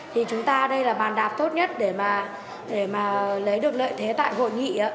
thì chúng ta đây là bàn đạp tốt nhất để mà lấy được lợi thế tại hội nghị